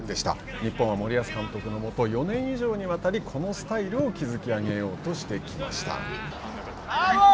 日本は森保監督のもと、４年以上にわたり、このスタイルを築き上げようとしてきました。